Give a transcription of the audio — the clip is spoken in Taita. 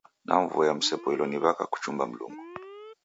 Namvoya msepoilo ni w'aka kuchumba Mlungu.